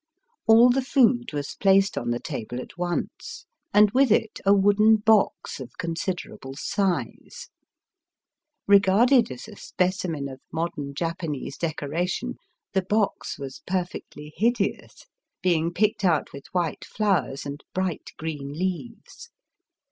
All the food was placed on the table at once, and with it a wooden box of consider able size. Eegarded as a specimen of modem Japanese decoration, the box was perfectly hideous, being picked out with white flowers and bright green leaves.